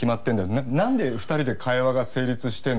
ななんで２人で会話が成立してんだよ。